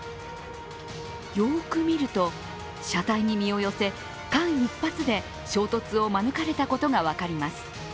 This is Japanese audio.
よく見ると、車体に身を寄せ、間一髪で衝突を免れたことが分かります。